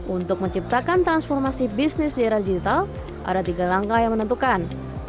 untuk menciptakan transformasi bisnis di era digital ada tiga langkah yang menentukan